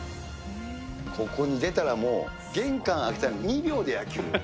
ここに出たらもう、玄関開けたら２秒で野球。